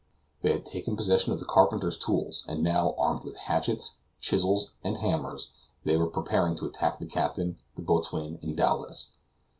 They had taken possession of the carpenter's tools, and now, armed with hatchets, chisels, and hammers, they were preparing to attack the captain, the boatswain, and Dowlas.